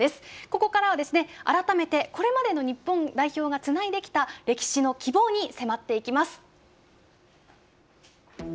ここからは改めてこれまでの日本代表がつないできた歴史の希望に迫っていきます。